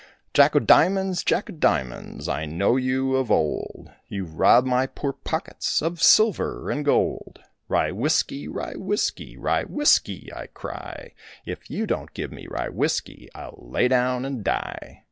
Jack o' diamonds, Jack o' diamonds, I know you of old, You've robbed my poor pockets Of silver and gold. Rye whiskey, rye whiskey, Rye whiskey I cry, If you don't give me rye whiskey I'll lie down and die.